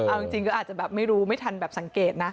เอาจริงก็อาจจะแบบไม่รู้ไม่ทันแบบสังเกตนะ